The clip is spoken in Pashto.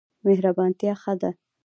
مهربانتیا ښه ده.